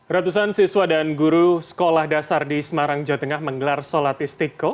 ratusan siswa dan guru sekolah dasar di semarang jawa tengah menggelar sholat istiqo